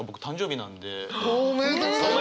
おめでとうございます！